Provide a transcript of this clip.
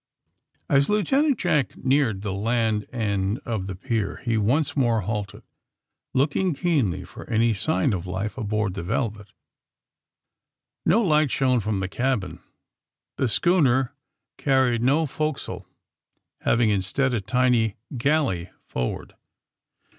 As Lieutenant Jack neared the land end of the pier he once more halted, looking keenly for any sign of life aboard the *^ Velvet."' No light shone from the cabin. The schooner carried no forecastle, having, instead, a tiny galley forward.